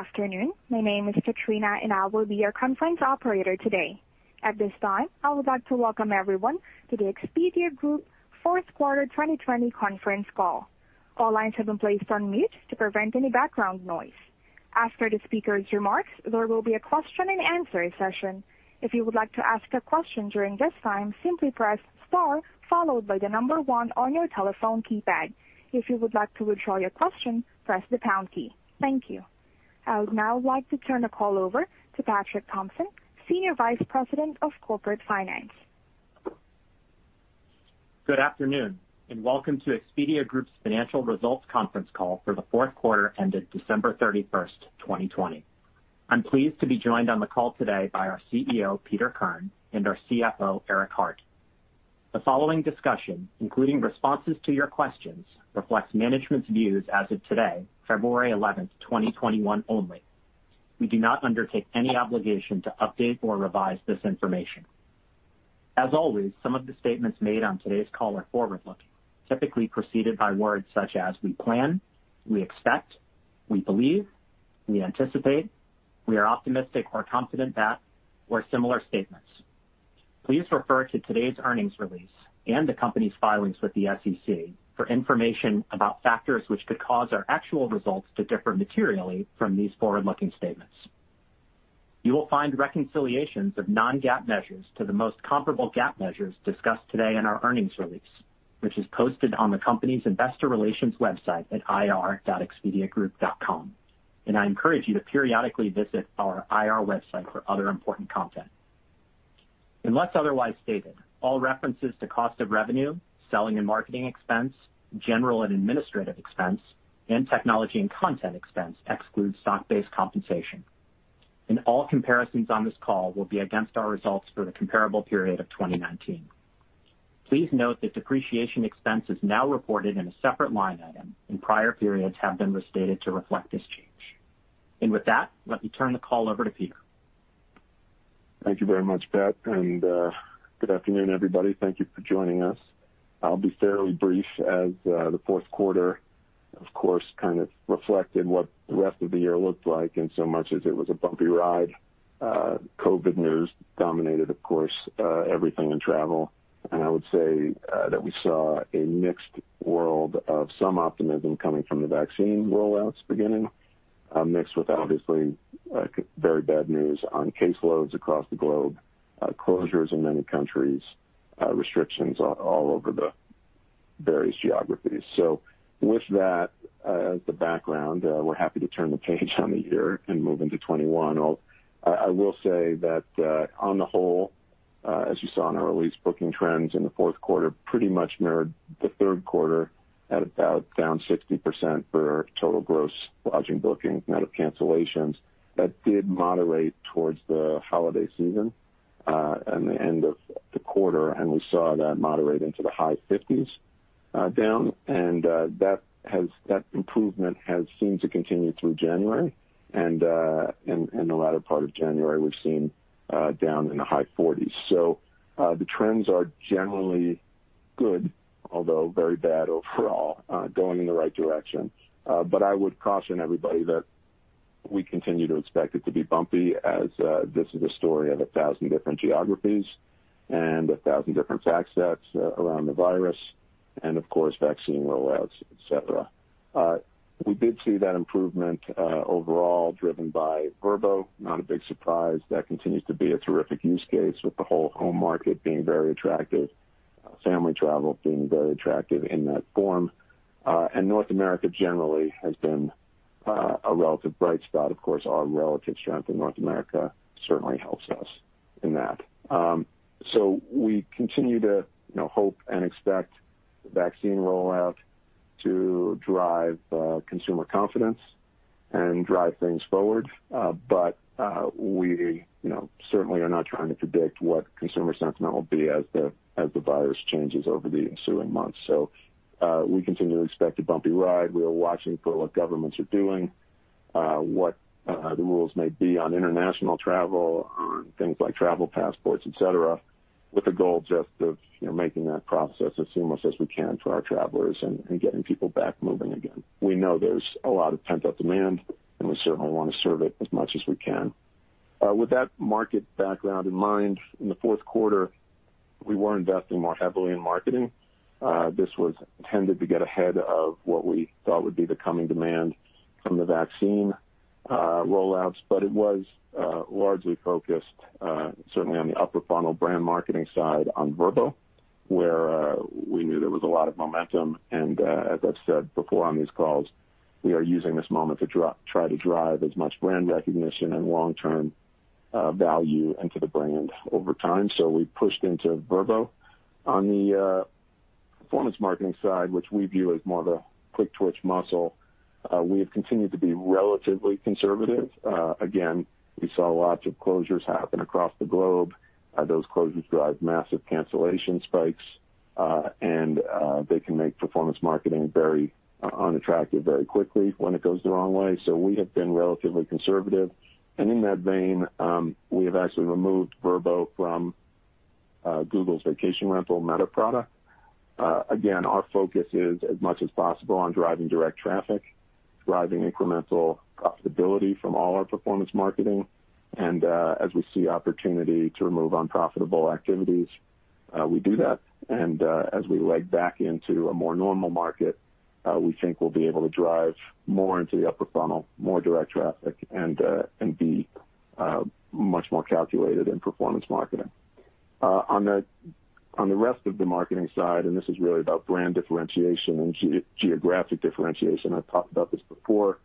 Good afternoon. My name is Katrina. I will be your conference operator today. At this time, I would like to welcome everyone to the Expedia Group fourth quarter 2020 conference call. All lines have been placed on mute to prevent any background noise. After the speakers' remarks, there will be a question and answer session. If you would like to ask a question during this time, simply press star followed by the number one on your telephone keypad. If you would like to withdraw your question, press the pound key. Thank you. I would now like to turn the call over to Patrick Thompson, Senior Vice President of Corporate Finance. Good afternoon, welcome to Expedia Group's financial results conference call for the fourth quarter ended December 31st, 2020. I'm pleased to be joined on the call today by our CEO, Peter Kern, and our CFO, Eric Hart. The following discussion, including responses to your questions, reflects management's views as of today, February 11th, 2021 only. We do not undertake any obligation to update or revise this information. As always, some of the statements made on today's call are forward-looking, typically preceded by words such as "we plan," "we expect," "we believe," "we anticipate," "we are optimistic or confident that," or similar statements. Please refer to today's earnings release and the company's filings with the SEC for information about factors which could cause our actual results to differ materially from these forward-looking statements. You will find reconciliations of non-GAAP measures to the most comparable GAAP measures discussed today in our earnings release, which is posted on the company's investor relations website at ir.expediagroup.com. I encourage you to periodically visit our IR website for other important content. Unless otherwise stated, all references to cost of revenue, selling and marketing expense, general and administrative expense, and technology and content expense exclude stock-based compensation. All comparisons on this call will be against our results for the comparable period of 2019. Please note that depreciation expense is now reported in a separate line item, and prior periods have been restated to reflect this change. With that, let me turn the call over to Peter. Thank you very much, Pat, good afternoon, everybody. Thank you for joining us. I'll be fairly brief as the fourth quarter, of course, kind of reflected what the rest of the year looked like in so much as it was a bumpy ride. COVID news dominated, of course, everything in travel. I would say that we saw a mixed world of some optimism coming from the vaccine rollouts beginning, mixed with obviously very bad news on caseloads across the globe, closures in many countries, restrictions all over the various geographies. With that as the background, we're happy to turn the page on the year and move into 2021. I will say that on the whole, as you saw in our release, booking trends in the fourth quarter pretty much mirrored the third quarter at about down 60% for total gross lodging bookings net of cancellations. That did moderate towards the holiday season and the end of the quarter. We saw that moderate into the high 50s down. That improvement has seemed to continue through January, and in the latter part of January, we've seen down in the high 40s. The trends are generally good, although very bad overall, going in the right direction. I would caution everybody that we continue to expect it to be bumpy as this is a story of 1,000 different geographies and 1,000 different fact sets around the virus and of course, vaccine rollouts, et cetera. We did see that improvement overall driven by Vrbo, not a big surprise. That continues to be a terrific use case with the whole home market being very attractive, family travel being very attractive in that form. North America generally has been a relative bright spot. Our relative strength in North America certainly helps us in that. We continue to hope and expect the vaccine rollout to drive consumer confidence and drive things forward. We certainly are not trying to predict what consumer sentiment will be as the virus changes over the ensuing months. We continue to expect a bumpy ride. We are watching for what governments are doing, what the rules may be on international travel, on things like travel passports, et cetera, with the goal just of making that process as seamless as we can for our travelers and getting people back moving again. We know there's a lot of pent-up demand, and we certainly want to serve it as much as we can. With that market background in mind, in the fourth quarter, we were investing more heavily in marketing. This was intended to get ahead of what we thought would be the coming demand from the vaccine rollouts, but it was largely focused certainly on the upper funnel brand marketing side on Vrbo, where we knew there was a lot of momentum, and as I've said before on these calls, we are using this moment to try to drive as much brand recognition and long-term value into the brand over time. We pushed into Vrbo. On the performance marketing side, which we view as more of a quick twitch muscle, we have continued to be relatively conservative. Again, we saw lots of closures happen across the globe. Those closures drive massive cancellation spikes, and they can make performance marketing very unattractive very quickly when it goes the wrong way. We have been relatively conservative. In that vein, we have actually removed Vrbo from Google's vacation rental meta product. Again, our focus is as much as possible on driving direct traffic, driving incremental profitability from all our performance marketing, and as we see opportunity to remove unprofitable activities, we do that. As we leg back into a more normal market, we think we'll be able to drive more into the upper funnel, more direct traffic, and be much more calculated in performance marketing. On the rest of the marketing side, and this is really about brand differentiation and geographic differentiation, I've talked about this before,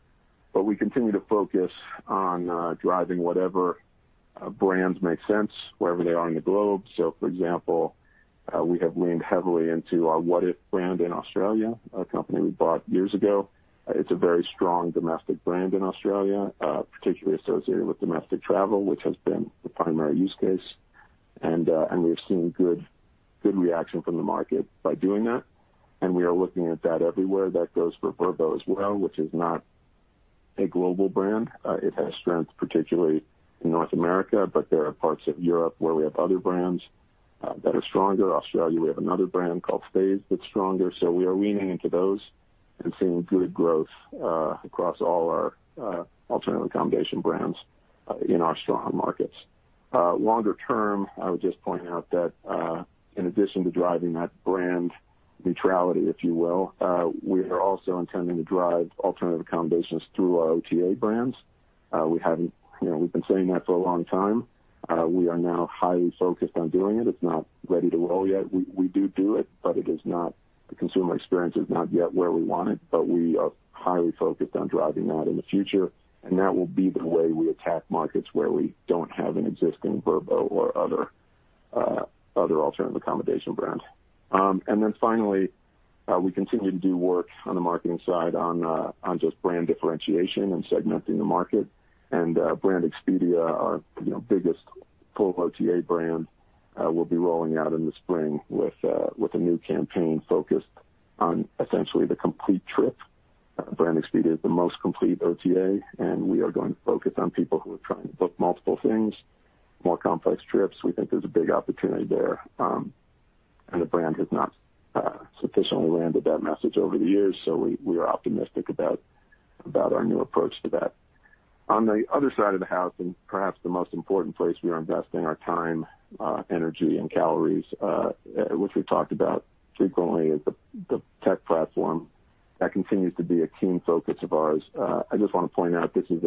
but we continue to focus on driving whatever brands make sense wherever they are in the globe. For example, we have leaned heavily into our Wotif brand in Australia, a company we bought years ago. It's a very strong domestic brand in Australia, particularly associated with domestic travel, which has been the primary use case. We've seen good reaction from the market by doing that, and we are looking at that everywhere. That goes for Vrbo as well, which is not a global brand. It has strength, particularly in North America, but there are parts of Europe where we have other brands that are stronger. Australia, we have another brand called Stayz that's stronger. We are leaning into those and seeing good growth across all our alternative accommodation brands in our stronger markets. Longer term, I would just point out that in addition to driving that brand neutrality, if you will, we are also intending to drive alternative accommodations through our OTA brands. We've been saying that for a long time. We are now highly focused on doing it. It's not ready to roll yet. We do it, the consumer experience is not yet where we want it, we are highly focused on driving that in the future, that will be the way we attack markets where we don't have an existing Vrbo or other alternative accommodation brand. Finally, we continue to do work on the marketing side on just brand differentiation and segmenting the market, Brand Expedia, our biggest full OTA brand, will be rolling out in the spring with a new campaign focused on essentially the complete trip. Brand Expedia is the most complete OTA, we are going to focus on people who are trying to book multiple things, more complex trips. We think there's a big opportunity there, and the brand has not sufficiently landed that message over the years, so we are optimistic about our new approach to that. On the other side of the house, and perhaps the most important place we are investing our time, energy, and calories, which we've talked about frequently, is the tech platform. That continues to be a keen focus of ours. I just want to point out this is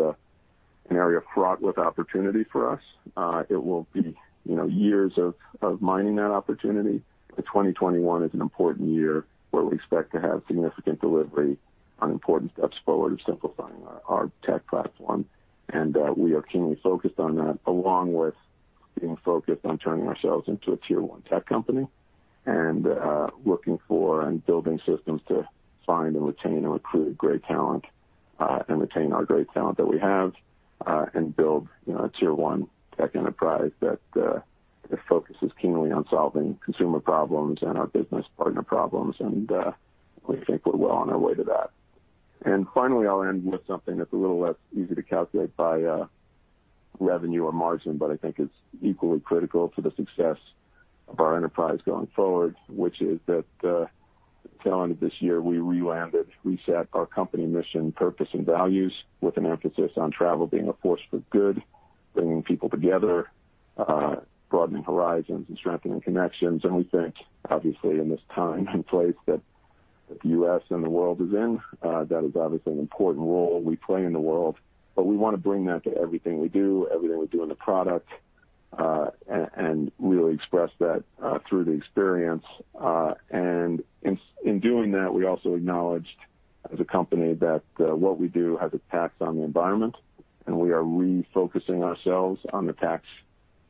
an area fraught with opportunity for us. It will be years of mining that opportunity, but 2021 is an important year where we expect to have significant delivery on important steps forward of simplifying our tech platform. We are keenly focused on that, along with being focused on turning ourselves into a tier-1 tech company and looking for and building systems to find and retain and recruit great talent, and retain our great talent that we have, and build a tier-1 tech enterprise that focuses keenly on solving consumer problems and our business partner problems, and we think we're well on our way to that. Finally, I'll end with something that's a little less easy to calculate by revenue or margin, but I think it's equally critical to the success of our enterprise going forward, which is that at the turn of this year, we re-landed, reset our company mission, purpose, and values with an emphasis on travel being a force for good, bringing people together, broadening horizons, and strengthening connections. We think, obviously, in this time and place that the U.S. and the world is in, that is obviously an important role we play in the world. We want to bring that to everything we do, everything we do in the product, and really express that through the experience. In doing that, we also acknowledged as a company that what we do has impacts on the environment, and we are refocusing ourselves on the toll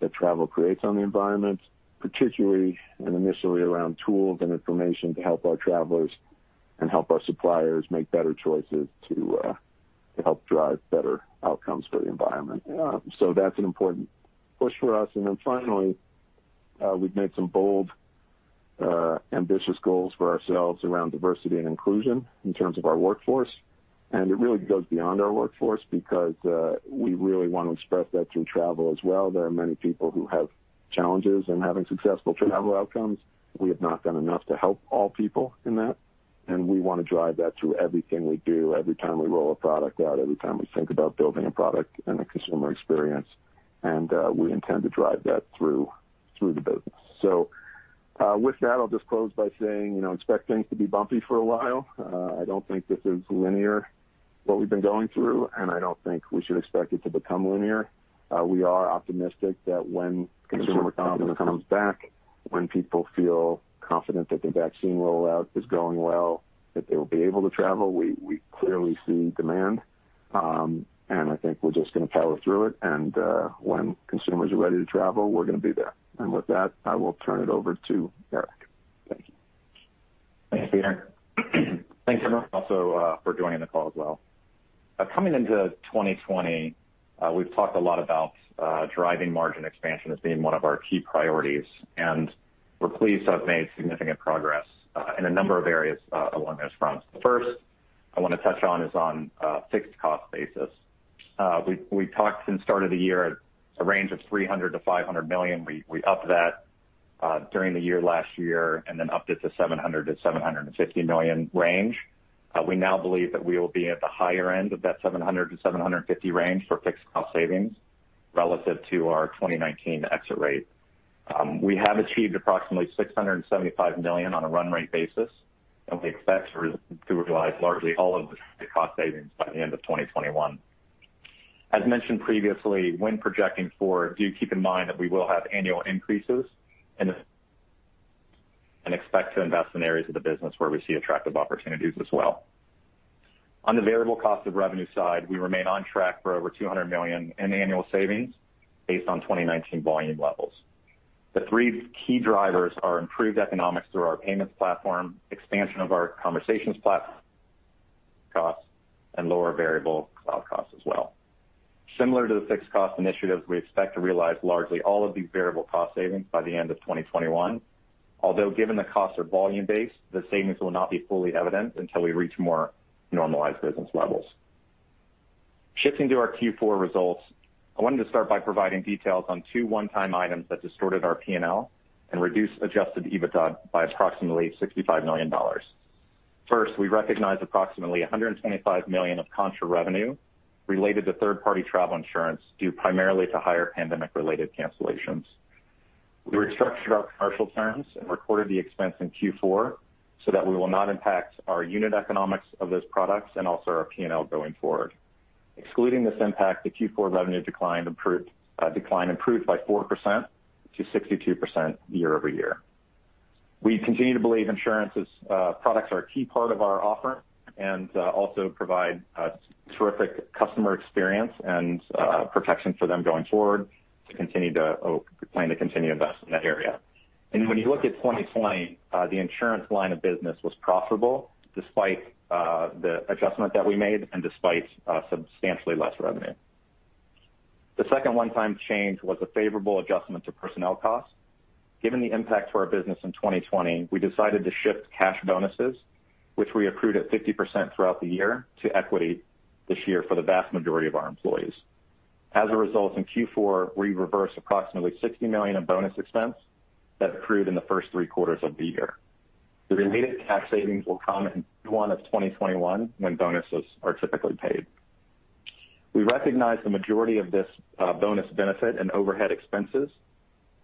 that travel creates on the environment, particularly and initially around tools and information to help our travelers and help our suppliers make better choices to help drive better outcomes for the environment. That's an important push for us. Finally, we've made some bold, ambitious goals for ourselves around diversity and inclusion in terms of our workforce, and it really goes beyond our workforce because we really want to express that through travel as well. There are many people who have challenges in having successful travel outcomes. We have not done enough to help all people in that, and we want to drive that through everything we do, every time we roll a product out, every time we think about building a product and a consumer experience, and we intend to drive that through the business. With that, I'll just close by saying, expect things to be bumpy for a while. I don't think this is linear, what we've been going through, and I don't think we should expect it to become linear. We are optimistic that when consumer confidence comes back, when people feel confident that the vaccine rollout is going well, that they will be able to travel. We clearly see demand, and I think we're just going to power through it, and when consumers are ready to travel, we're going to be there. With that, I will turn it over to Eric. Thank you. Thanks, Peter. Thanks everyone also for joining the call as well. Coming into 2020, we've talked a lot about driving margin expansion as being one of our key priorities, and we're pleased to have made significant progress in a number of areas along those fronts. The first I want to touch on is on a fixed cost basis. We talked since start of the year at a range of $300 million-$500 million. We upped that during the year last year and then upped it to $700 million-$750 million range. We now believe that we will be at the higher end of that $700 million-$750 million range for fixed cost savings relative to our 2019 exit rate. We have achieved approximately $675 million on a run rate basis, and we expect to realize largely all of the cost savings by the end of 2021. As mentioned previously, when projecting forward, do keep in mind that we will have annual increases and expect to invest in areas of the business where we see attractive opportunities as well. On the variable cost of revenue side, we remain on track for over $200 million in annual savings based on 2019 volume levels. The three key drivers are improved economics through our payments platform, expansion of our conversations platform costs, and lower variable cloud costs as well. Similar to the fixed cost initiatives, we expect to realize largely all of these variable cost savings by the end of 2021, although, given the costs are volume-based, the savings will not be fully evident until we reach more normalized business levels. Shifting to our Q4 results, I wanted to start by providing details on two one-time items that distorted our P&L and reduced adjusted EBITDA by approximately $65 million. First, we recognized approximately $125 million of contra revenue related to third-party travel insurance, due primarily to higher pandemic-related cancellations. We restructured our commercial terms and recorded the expense in Q4 so that we will not impact our unit economics of those products and also our P&L going forward. Excluding this impact, the Q4 revenue decline improved by 4%-62% year-over-year. We continue to believe insurance products are a key part of our offer and also provide a terrific customer experience and protection for them going forward. We plan to continue to invest in that area. When you look at 2020, the insurance line of business was profitable despite the adjustment that we made and despite substantially less revenue. The second one-time change was a favorable adjustment to personnel costs. Given the impact to our business in 2020, we decided to shift cash bonuses, which we accrued at 50% throughout the year, to equity this year for the vast majority of our employees. As a result, in Q4, we reversed approximately $60 million in bonus expense that accrued in the first three quarters of the year. The related tax savings will come in Q1 of 2021 when bonuses are typically paid. We recognized the majority of this bonus benefit in overhead expenses.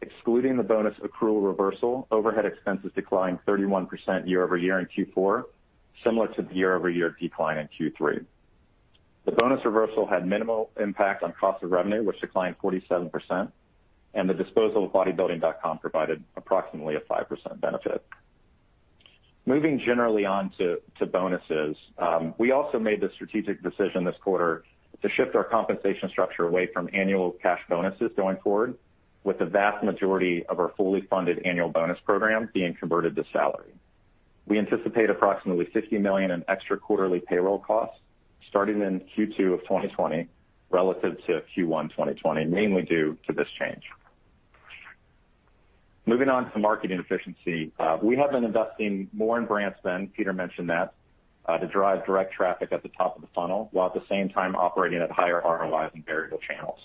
Excluding the bonus accrual reversal, overhead expenses declined 31% year-over-year in Q4, similar to the year-over-year decline in Q3. The bonus reversal had minimal impact on cost of revenue, which declined 47%, and the disposal of Bodybuilding.com provided approximately a 5% benefit. Moving generally on to bonuses. We also made the strategic decision this quarter to shift our compensation structure away from annual cash bonuses going forward, with the vast majority of our fully funded annual bonus program being converted to salary. We anticipate approximately $50 million in extra quarterly payroll costs starting in Q2 2020 relative to Q1 2020, mainly due to this change. Moving on to marketing efficiency. We have been investing more in brands than, Peter mentioned that, to drive direct traffic at the top of the funnel while at the same time operating at higher ROIs in variable channels.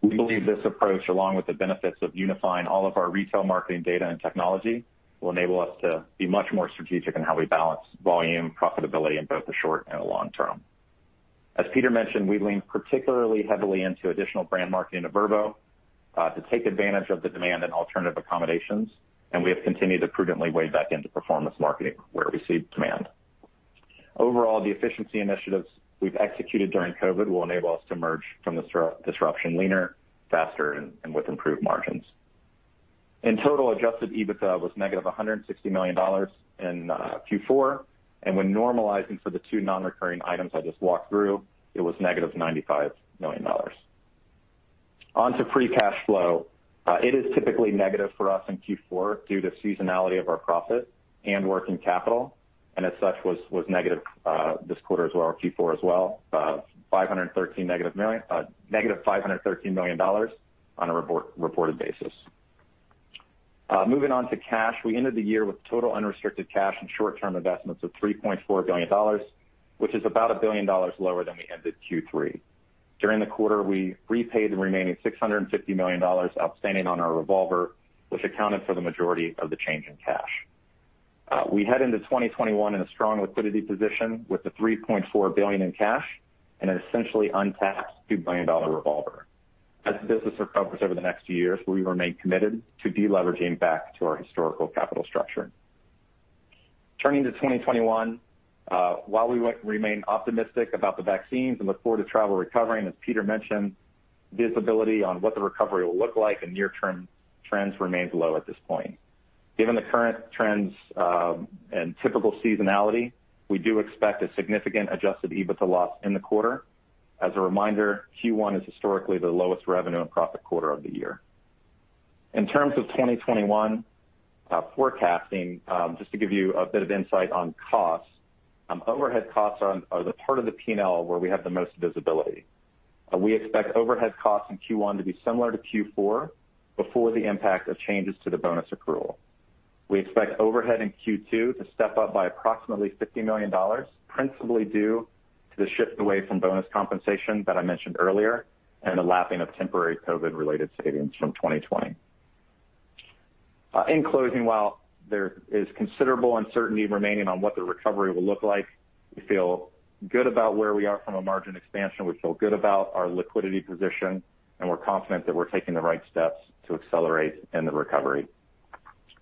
We believe this approach, along with the benefits of unifying all of our retail marketing data and technology, will enable us to be much more strategic in how we balance volume profitability in both the short and the long term. As Peter mentioned, we leaned particularly heavily into additional brand marketing to Vrbo, to take advantage of the demand in alternative accommodations, we have continued to prudently leaned back into performance marketing where we see demand. Overall, the efficiency initiatives we've executed during COVID will enable us to emerge from this disruption leaner, faster, and with improved margins. In total, adjusted EBITDA was -$160 million in Q4. When normalizing for the two non-recurring items I just walked through, it was -$95 million. On to free cash flow. It is typically negative for us in Q4 due to seasonality of our profit and working capital. As such, was negative this quarter as well, or Q4 as well, -$513 million on a reported basis. Moving on to cash. We ended the year with total unrestricted cash and short-term investments of $3.4 billion, which is about $1 billion lower than we ended Q3. During the quarter, we repaid the remaining $650 million outstanding on our revolver, which accounted for the majority of the change in cash. We head into 2021 in a strong liquidity position with the $3.4 billion in cash and an essentially untapped $2 billion revolver. As the business recovers over the next year, we remain committed to de-leveraging back to our historical capital structure. Turning to 2021. While we remain optimistic about the vaccines and look forward to travel recovering, as Peter mentioned, visibility on what the recovery will look like and near-term trends remains low at this point. Given the current trends, and typical seasonality, we do expect a significant adjusted EBITDA loss in the quarter. As a reminder, Q1 is historically the lowest revenue and profit quarter of the year. In terms of 2021 forecasting, just to give you a bit of insight on costs. Overhead costs are the part of the P&L where we have the most visibility. We expect overhead costs in Q1 to be similar to Q4 before the impact of changes to the bonus accrual. We expect overhead in Q2 to step up by approximately $50 million, principally due to the shift away from bonus compensation that I mentioned earlier, and the lapping of temporary COVID-related savings from 2020. In closing, while there is considerable uncertainty remaining on what the recovery will look like, we feel good about where we are from a margin expansion, we feel good about our liquidity position, and we're confident that we're taking the right steps to accelerate in the recovery.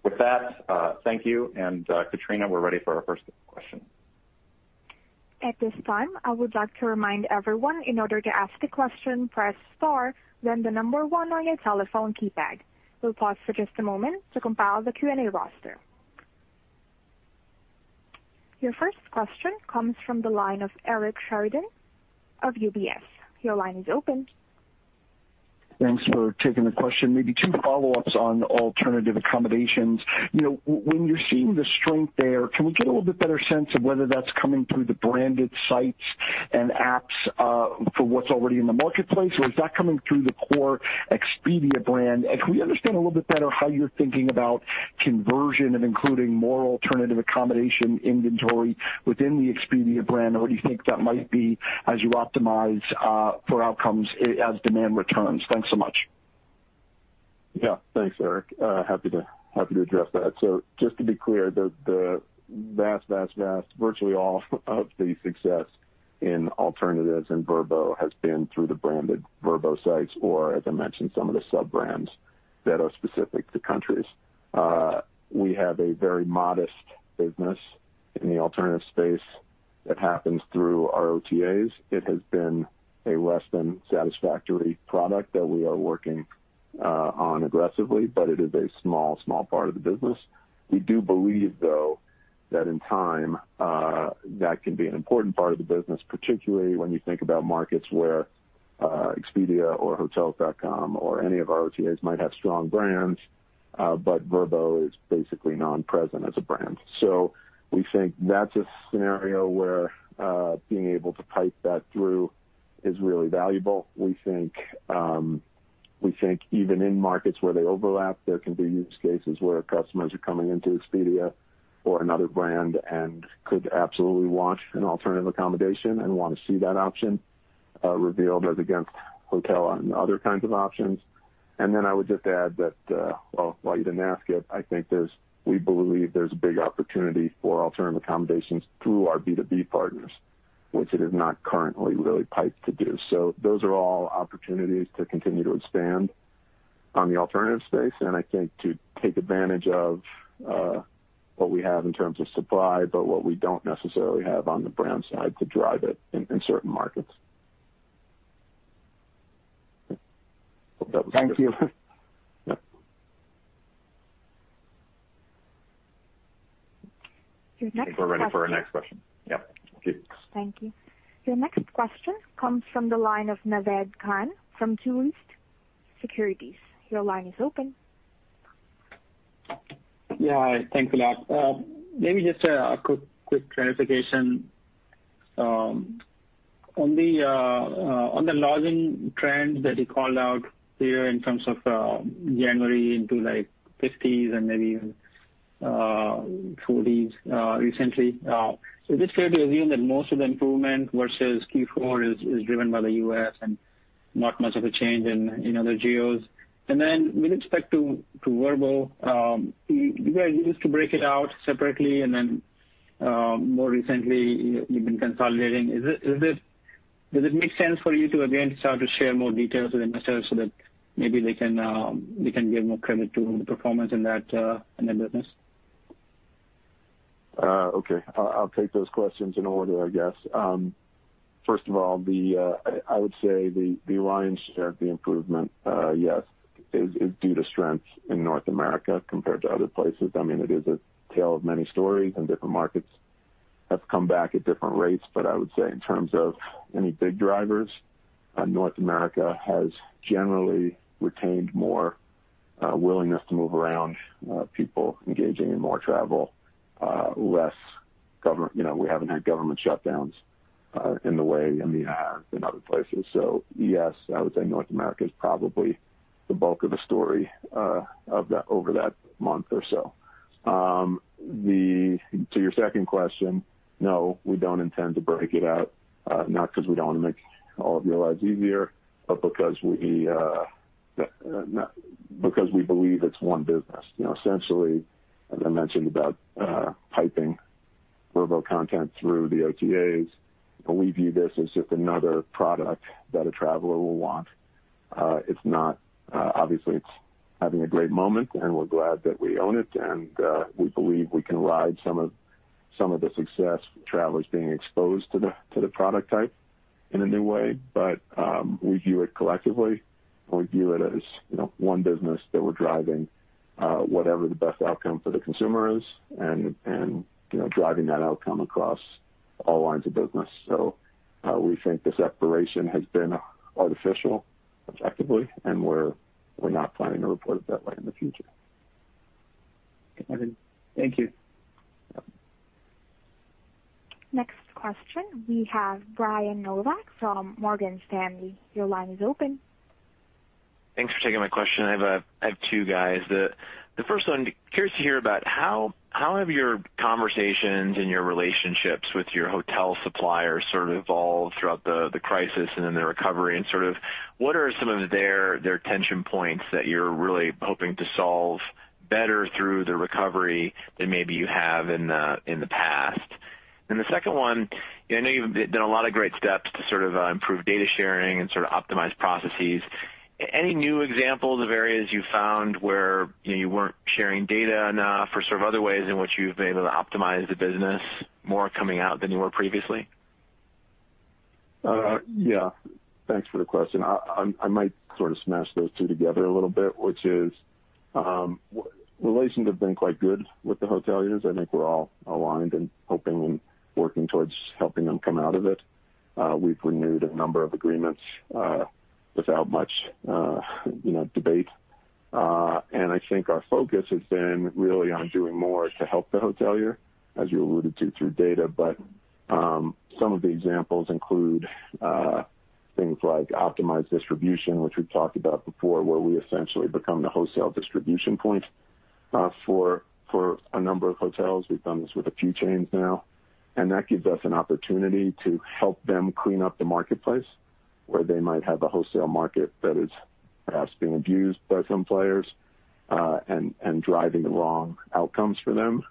With that, thank you, and Katrina, we're ready for our first question. At this time, I would like to remind everyone, in order to ask a question, press star then the number one on your telephone keypad. We'll pause for just a moment to compile the Q&A roster. Your first question comes from the line of Eric Sheridan of UBS. Your line is open. Thanks for taking the question. Maybe two follow-ups on alternative accommodations. When you're seeing the strength there, can we get a little bit better sense of whether that's coming through the branded sites and apps, for what's already in the marketplace? Or is that coming through the core Expedia brand? And can we understand a little bit better how you're thinking about conversion and including more alternative accommodation inventory within the Expedia brand? And what do you think that might be as you optimize for outcomes as demand returns? Thanks so much. Yeah. Thanks, Eric. Happy to address that. Just to be clear, the vast, virtually all of the success in alternatives and Vrbo has been through the branded Vrbo sites or as I mentioned, some of the sub-brands that are specific to countries. We have a very modest business in the alternative space that happens through our OTAs. It has been a less than satisfactory product that we are working on aggressively, but it is a small part of the business. We do believe, though, that in time, that can be an important part of the business, particularly when you think about markets where Expedia or Hotels.com or any of our OTAs might have strong brands, but Vrbo is basically non-present as a brand. We think that's a scenario where being able to pipe that through is really valuable. We think even in markets where they overlap, there can be use cases where customers are coming into Expedia or another brand and could absolutely want an alternative accommodation and want to see that option revealed as against hotel and other kinds of options. Then I would just add that, well, while you didn't ask it, I think we believe there's a big opportunity for alternative accommodations through our B2B partners, which it is not currently really piped to do. Those are all opportunities to continue to expand on the alternative space, and I think to take advantage of what we have in terms of supply, but what we don't necessarily have on the brand side to drive it in certain markets. Thank you. Yep. Your next question. I think we're ready for our next question. Yep. Thank you. Thank you. Your next question comes from the line of Naved Khan from Truist Securities. Your line is open. Yeah. Thanks a lot. Maybe just a quick clarification. On the lodging trends that you called out there in terms of January into like 50s and maybe even 40s recently. Is it fair to assume that most of the improvement versus Q4 is driven by the U.S. and not much of a change in other geos? With respect to Vrbo, you guys used to break it out separately and then, more recently, you've been consolidating. Does it make sense for you to again start to share more details with investors so that maybe they can give more credit to the performance in that business? Okay. I'll take those questions in order, I guess. First of all, I would say the lion's share of the improvement, yes, is due to strength in North America compared to other places. It is a tale of many stories, and different markets have come back at different rates. I would say in terms of any big drivers, North America has generally retained more willingness to move around, people engaging in more travel, less government-- We haven't had government shutdowns in the way EMEA has in other places. Yes, I would say North America is probably the bulk of the story over that month or so. To your second question, no, we don't intend to break it out. Not because we don't want to make all of your lives easier, but because we believe it's one business. As I mentioned about piping Vrbo content through the OTAs, we view this as just another product that a traveler will want. It's having a great moment, and we're glad that we own it, and we believe we can ride some of the success with travelers being exposed to the product type in a new way. We view it collectively, and we view it as one business that we're driving whatever the best outcome for the consumer is and driving that outcome across all lines of business. We think the separation has been artificial objectively, and we're not planning to report it that way in the future. Okay. Thank you. Next question, we have Brian Nowak from Morgan Stanley. Your line is open. Thanks for taking my question. I have two, guys. The first one, curious to hear about how have your conversations and your relationships with your hotel suppliers sort of evolved throughout the crisis and in the recovery, and what are some of their tension points that you're really hoping to solve better through the recovery than maybe you have in the past? The second one, I know you've done a lot of great steps to improve data sharing and optimize processes. Any new examples of areas you found where you weren't sharing data enough or other ways in which you've been able to optimize the business more coming out than you were previously? Thanks for the question. I might sort of smash those two together a little bit, which is, relations have been quite good with the hoteliers. I think we're all aligned and hoping and working towards helping them come out of it. We've renewed a number of agreements without much debate. I think our focus has been really on doing more to help the hotelier, as you alluded to, through data. Some of the examples include things like optimized distribution, which we've talked about before, where we essentially become the wholesale distribution point for a number of hotels. We've done this with a few chains now, and that gives us an opportunity to help them clean up the marketplace, where they might have a wholesale market that is perhaps being abused by some players, and driving the wrong outcomes for them.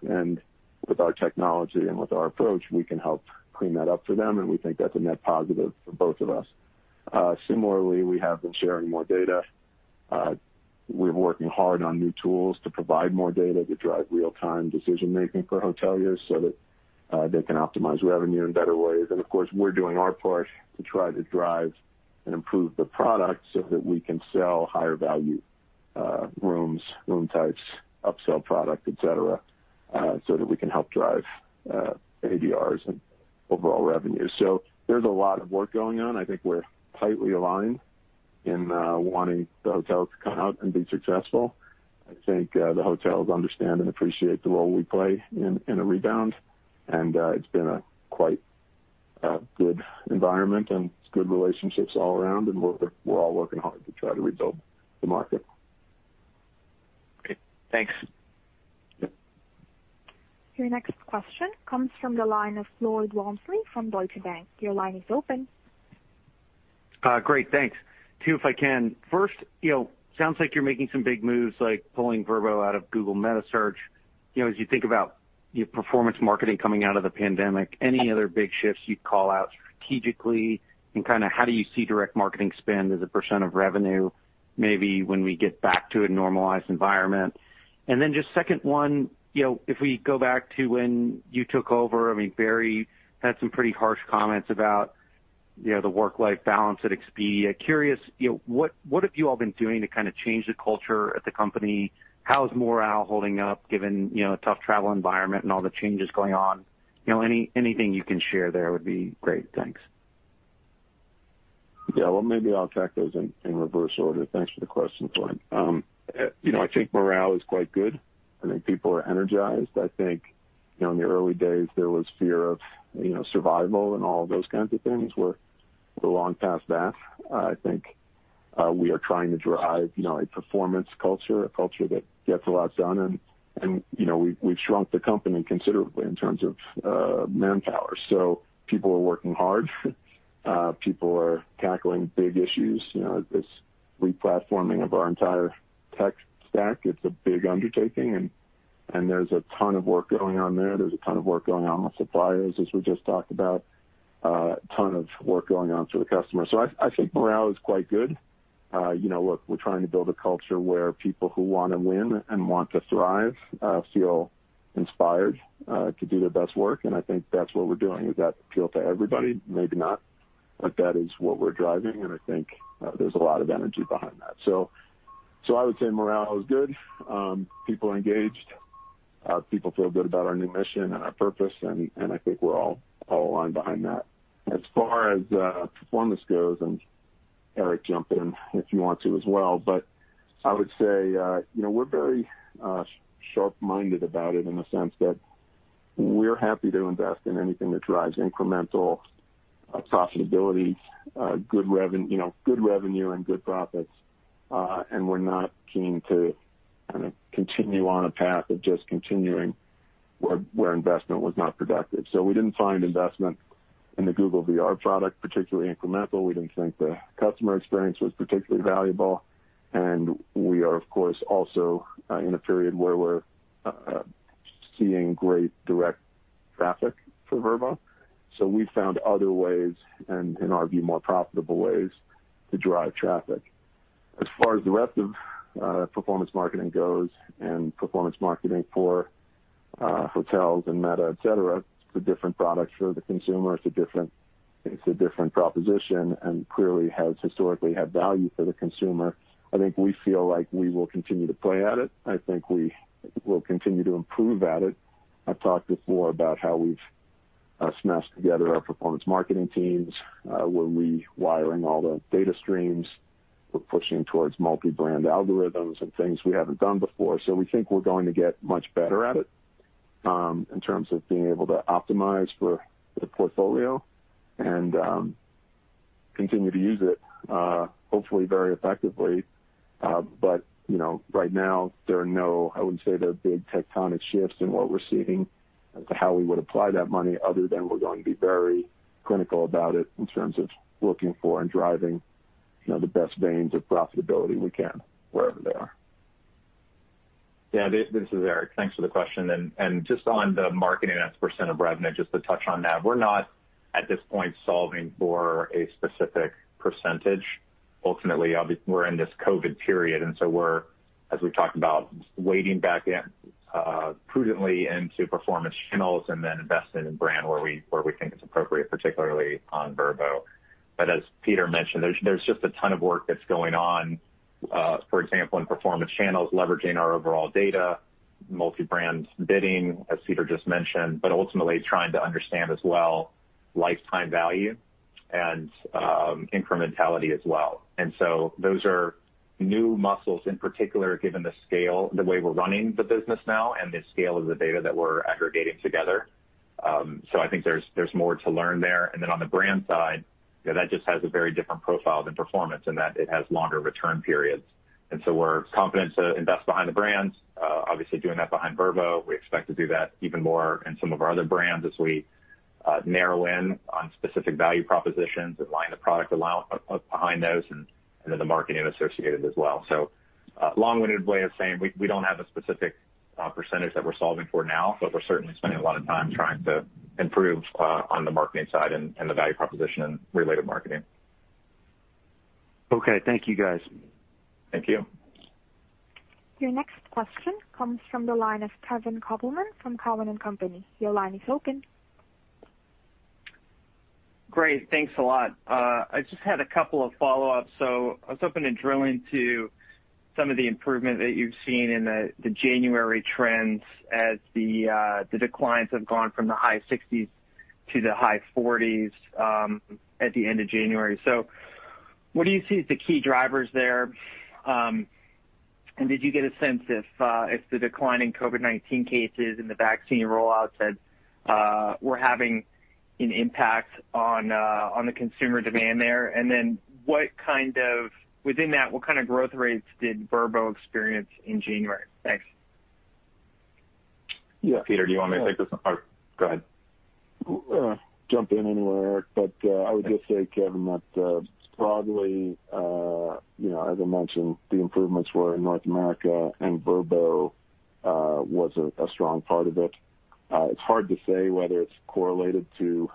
With our technology and with our approach, we can help clean that up for them, and we think that's a net positive for both of us. Similarly, we have been sharing more data. We're working hard on new tools to provide more data to drive real-time decision-making for hoteliers so that they can optimize revenue in better ways. Of course, we're doing our part to try to drive and improve the product so that we can sell higher value rooms, room types, upsell product, et cetera, so that we can help drive ADRs and overall revenue. There's a lot of work going on. I think we're tightly aligned in wanting the hotels to come out and be successful. I think the hotels understand and appreciate the role we play in a rebound, and it's been a quite good environment, and it's good relationships all around, and we're all working hard to try to rebuild the market. Great. Thanks. Yep. Your next question comes from the line of Lloyd Walmsley from Deutsche Bank. Your line is open. Great, thanks. Two, if I can. First, sounds like you're making some big moves, like pulling Vrbo out of Google Meta Search. As you think about your performance marketing coming out of the pandemic, any other big shifts you'd call out strategically. How do you see direct marketing spend as a percent of revenue, maybe when we get back to a normalized environment? Just second one, if we go back to when you took over, Barry had some pretty harsh comments about the work-life balance at Expedia. Curious, what have you all been doing to kind of change the culture at the company? How is morale holding up given a tough travel environment and all the changes going on? Anything you can share there would be great. Thanks. Yeah. Well, maybe I'll tack those in reverse order. Thanks for the question, Lloyd. I think morale is quite good. I think people are energized. I think, in the early days, there was fear of survival and all of those kinds of things. We're long past that. I think we are trying to drive a performance culture, a culture that gets a lot done, and we've shrunk the company considerably in terms of manpower. People are working hard. People are tackling big issues. This re-platforming of our entire tech stack, it's a big undertaking, and there's a ton of work going on there. There's a ton of work going on with suppliers, as we just talked about. A ton of work going on to the customer. I think morale is quite good. We're trying to build a culture where people who want to win and want to thrive feel inspired to do their best work. I think that's what we're doing. Does that appeal to everybody? Maybe not. That is what we're driving. I think there's a lot of energy behind that. I would say morale is good. People are engaged. People feel good about our new mission and our purpose. I think we're all aligned behind that. As far as performance goes, Eric, jump in if you want to as well. I would say we're very sharp-minded about it in the sense that we're happy to invest in anything that drives incremental profitability, good revenue, and good profits. We're not keen to kind of continue on a path of just continuing where investment was not productive. We didn't find investment in the Google VR product particularly incremental. We didn't think the customer experience was particularly valuable. We are, of course, also in a period where we're seeing great direct traffic for Vrbo. We've found other ways, and in our view, more profitable ways to drive traffic. As far as the rest of performance marketing goes and performance marketing for hotels and meta, et cetera, it's a different product for the consumer. It's a different proposition and clearly has historically had value for the consumer. I think we feel like we will continue to play at it. I think we will continue to improve at it. I've talked before about how we've smashed together our performance marketing teams. We're rewiring all the data streams. We're pushing towards multi-brand algorithms and things we haven't done before. We think we're going to get much better at it in terms of being able to optimize for the portfolio and continue to use it hopefully very effectively. Right now, I wouldn't say there are big tectonic shifts in what we're seeing as to how we would apply that money other than we're going to be very clinical about it in terms of looking for and driving the best veins of profitability we can wherever they are. This is Eric. Thanks for the question. Just on the marketing as percent of revenue, just to touch on that, we're not at this point solving for a specific percentage. Ultimately, we're in this COVID period, so we're, as we've talked about, wading back in prudently into performance channels and then investing in brand where we think it's appropriate, particularly on Vrbo. As Peter mentioned, there's just a ton of work that's going on, for example, in performance channels, leveraging our overall data, multi-brand bidding, as Peter just mentioned, but ultimately trying to understand as well lifetime value and incrementality as well. So those are new muscles in particular, given the scale, the way we're running the business now, and the scale of the data that we're aggregating together. I think there's more to learn there. On the brand side, that just has a very different profile than performance in that it has longer return periods. We're confident to invest behind the brands. Obviously, doing that behind Vrbo. We expect to do that even more in some of our other brands as we narrow in on specific value propositions and line the product allowance behind those and then the marketing associated as well. Long-winded way of saying we don't have a specific percentage that we're solving for now, but we're certainly spending a lot of time trying to improve on the marketing side and the value proposition related marketing. Okay. Thank you, guys. Thank you. Your next question comes from the line of Kevin Kopelman from Cowen and Company. Your line is open. Great. Thanks a lot. I just had a couple of follow-ups. I was hoping to drill into some of the improvement that you've seen in the January trends as the declines have gone from the high 60s to the high 40s at the end of January. What do you see as the key drivers there? Did you get a sense if the decline in COVID-19 cases and the vaccine rollouts were having an impact on the consumer demand there? Within that, what kind of growth rates did Vrbo experience in January? Thanks. Peter, do you want me to take this one? Go ahead. Jump in anywhere, Eric. I would just say, Kevin, that broadly as I mentioned, the improvements were in North America, Vrbo was a strong part of it. It's hard to say whether it's correlated to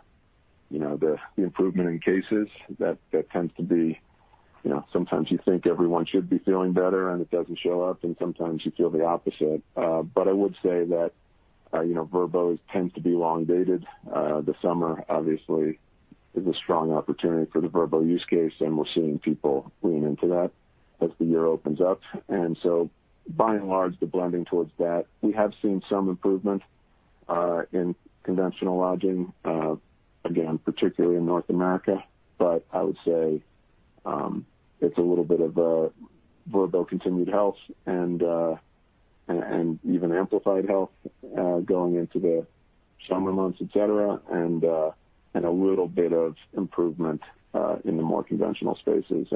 the improvement in cases. That tends to be sometimes you think everyone should be feeling better, it doesn't show up, and sometimes you feel the opposite. I would say that Vrbo tends to be long dated. The summer obviously is a strong opportunity for the Vrbo use case, we're seeing people lean into that as the year opens up. By and large, the blending towards that. We have seen some improvement in conventional lodging, again, particularly in North America. I would say it's a little bit of a Vrbo continued health and even amplified health going into the summer months, et cetera, and a little bit of improvement in the more conventional spaces.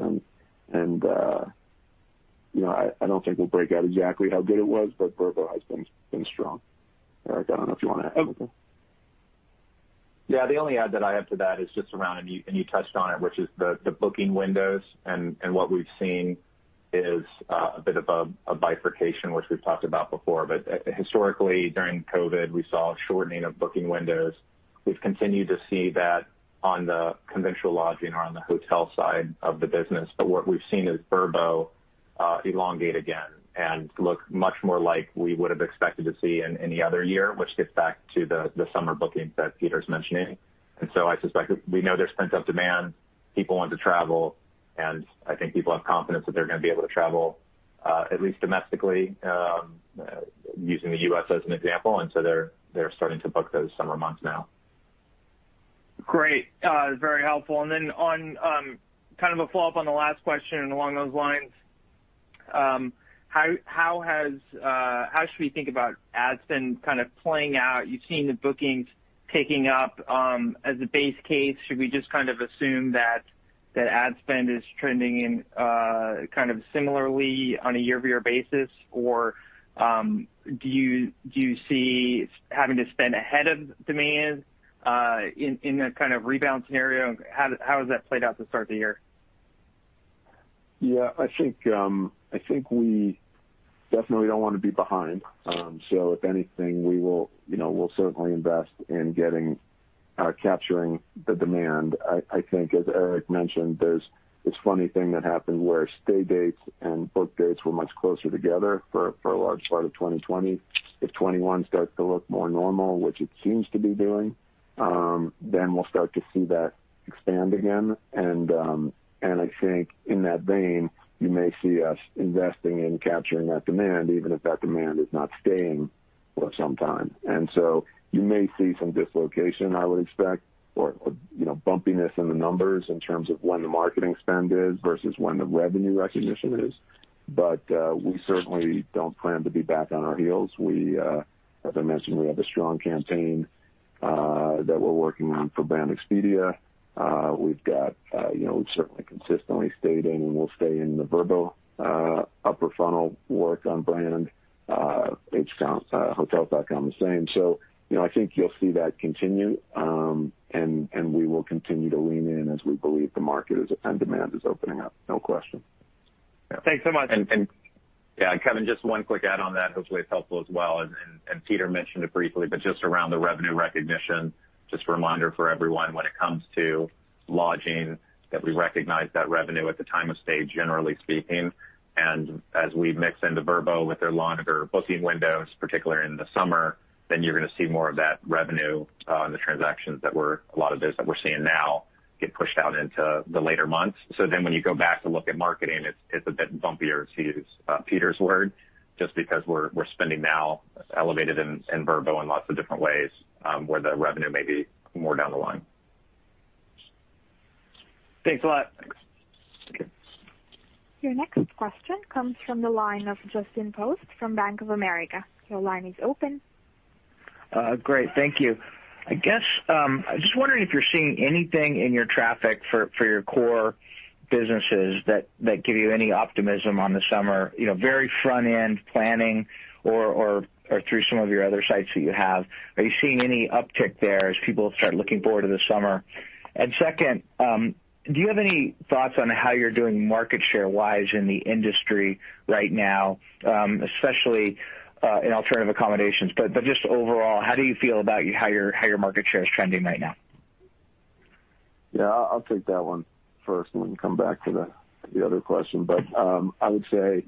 I don't think we'll break out exactly how good it was, but Vrbo has been strong. Eric, I don't know if you want to add anything? The only add that I have to that is just around, and you touched on it, which is the booking windows, and what we've seen is a bit of a bifurcation, which we've talked about before. Historically during COVID, we saw a shortening of booking windows. We've continued to see that on the conventional lodging or on the hotel side of the business. What we've seen is Vrbo elongate again and look much more like we would have expected to see in any other year, which gets back to the summer bookings that Peter's mentioning. I suspect we know there's pent-up demand. People want to travel, and I think people have confidence that they're going to be able to travel at least domestically using the U.S. as an example, and so they're starting to book those summer months now. Great. Very helpful. On kind of a follow-up on the last question and along those lines, how should we think about ad spend kind of playing out? You've seen the bookings ticking up. As a base case, should we just kind of assume that ad spend is trending in kind of similarly on a year-over-year basis, or do you see having to spend ahead of demand in a kind of rebound scenario? How has that played out to start the year? Yeah, I think we definitely don't want to be behind. If anything, we'll certainly invest in capturing the demand. I think as Eric mentioned, there's this funny thing that happened where stay dates and book dates were much closer together for a large part of 2020. If 2021 starts to look more normal, which it seems to be doing, then we'll start to see that expand again, and I think in that vein, you may see us investing in capturing that demand, even if that demand is not staying for some time. You may see some dislocation, I would expect, or bumpiness in the numbers in terms of when the marketing spend is versus when the revenue recognition is. We certainly don't plan to be back on our heels. As I mentioned, we have a strong campaign that we're working on for Brand Expedia. We've certainly consistently stayed in, and we'll stay in the Vrbo upper funnel work on brand. Hotels.com, the same. I think you'll see that continue, and we will continue to lean in as we believe the market and demand is opening up. No question. Thanks so much. Yeah, Kevin, just one quick add on that, hopefully it's helpful as well, and Peter mentioned it briefly, but just around the revenue recognition, just a reminder for everyone when it comes to lodging, that we recognize that revenue at the time of stay, generally speaking. As we mix into Vrbo with their longer booking windows, particularly in the summer, you're going to see more of that revenue in the transactions that we're seeing now get pushed out into the later months. When you go back to look at marketing, it's a bit bumpier, to use Peter's word, just because we're spending now elevated in Vrbo in lots of different ways, where the revenue may be more down the line. Thanks a lot. Okay. Your next question comes from the line of Justin Post from Bank of America. Your line is open. Great. Thank you. I guess, I was just wondering if you're seeing anything in your traffic for your core businesses that give you any optimism on the summer, very front end planning or through some of your other sites that you have. Are you seeing any uptick there as people start looking forward to the summer? Second, do you have any thoughts on how you're doing market share-wise in the industry right now, especially in alternative accommodations, but just overall, how do you feel about how your market share is trending right now? Yeah, I'll take that one first and then come back to the other question. I would say,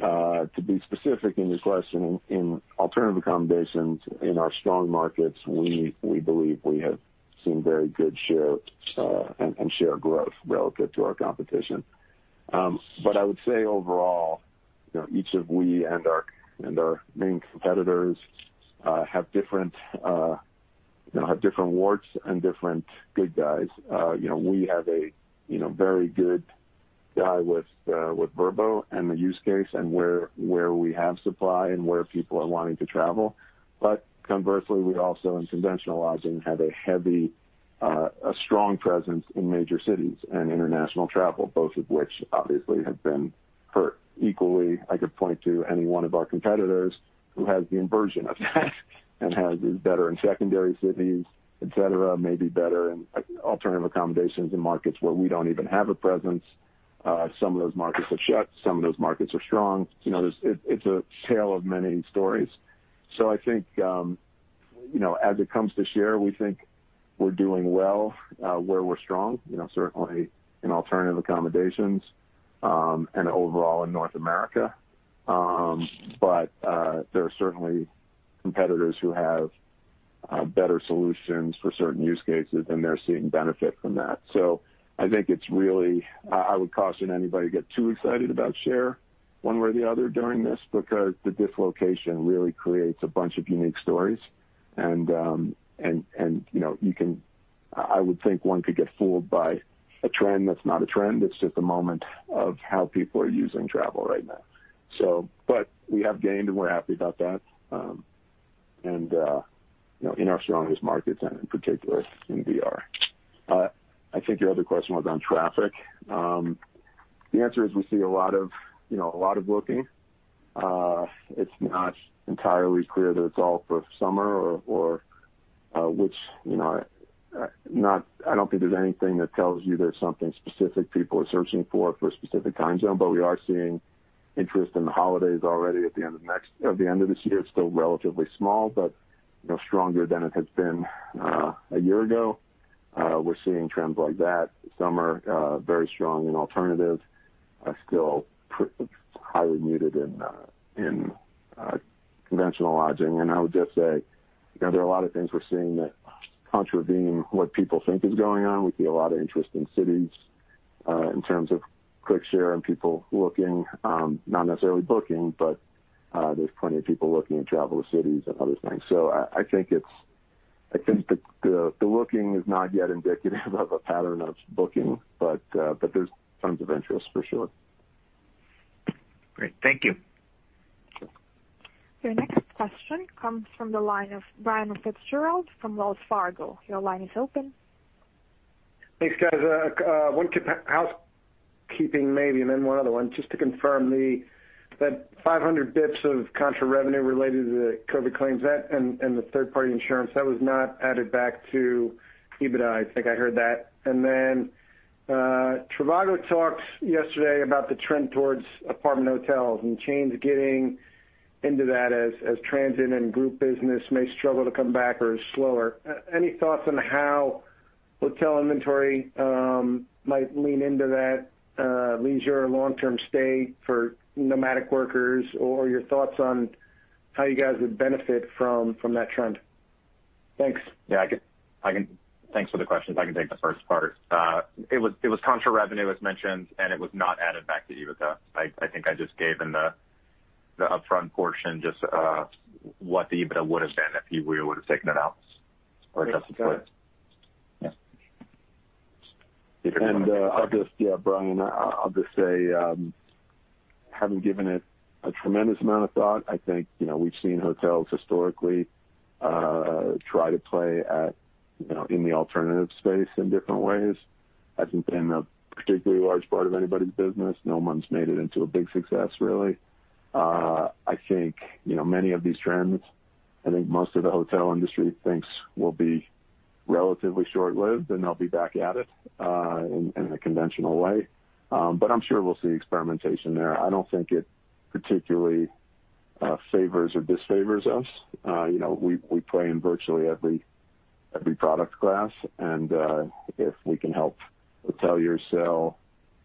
to be specific in your question, in alternative accommodations, in our strong markets, we believe we have seen very good share and share growth relative to our competition. I would say overall, each of we and our main competitors have different warts and different good guys. We have a very good guy with Vrbo and the use case and where we have supply and where people are wanting to travel. Conversely, we also in conventional lodging have a heavy, a strong presence in major cities and international travel, both of which obviously have been hurt equally. I could point to any one of our competitors who has the inversion of that and is better in secondary cities, et cetera, maybe better in alternative accommodations in markets where we don't even have a presence. Some of those markets have shut, some of those markets are strong. It's a tale of many stories. I think, as it comes to share, we think we're doing well where we're strong, certainly in alternative accommodations, and overall in North America. There are certainly competitors who have better solutions for certain use cases, and they're seeing benefit from that. I think I would caution anybody to get too excited about share one way or the other during this, because the dislocation really creates a bunch of unique stories and I would think one could get fooled by a trend that's not a trend. It's just a moment of how people are using travel right now. We have gained, and we're happy about that, in our strongest markets, and in particular in VR. I think your other question was on traffic. The answer is we see a lot of booking. It's not entirely clear that it's all for summer or I don't think there's anything that tells you there's something specific people are searching for a specific time zone, we are seeing interest in the holidays already at the end of this year. It's still relatively small, stronger than it has been a year ago. We're seeing trends like that. Some are very strong in alternative, still highly muted in conventional lodging. I would just say, there are a lot of things we're seeing that contravene what people think is going on. We see a lot of interest in cities, in terms of click share and people looking, not necessarily booking, but there's plenty of people looking to travel to cities and other things. I think the looking is not yet indicative of a pattern of booking, but there's tons of interest for sure. Great. Thank you. Your next question comes from the line of Brian FitzGerald from Wells Fargo. Your line is open. Thanks, guys. One housekeeping maybe, and then one other one. Just to confirm that 500 basis points of contra revenue related to the COVID claims and the third-party insurance, that was not added back to EBITDA. I think I heard that. trivago talked yesterday about the trend towards apartment hotels and chains getting into that as transient and group business may struggle to come back or is slower. Any thoughts on how hotel inventory might lean into that leisure long-term stay for nomadic workers, or your thoughts on how you guys would benefit from that trend? Thanks. Thanks for the questions. I can take the first part. It was contra revenue, as mentioned, and it was not added back to EBITDA. I think I just gave in the upfront portion just what the EBITDA would have been if we would have taken it out or adjusted for it. I'll just, yeah, Brian, I'll just say, having given it a tremendous amount of thought, I think we've seen hotels historically try to play in the alternative space in different ways. I think they end up particularly a large part of anybody's business. No one's made it into a big success, really. I think many of these trends, I think most of the hotel industry thinks will be relatively short-lived, and they'll be back at it in a conventional way. I'm sure we'll see experimentation there. I don't think it particularly favors or disfavors us. We play in virtually every product class, and if we can help a hotelier sell